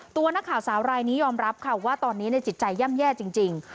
ตัวนักข่าวสาวรายนี้ยอมรับค่ะว่าตอนนี้ในจิตใจย่ำแย่จริง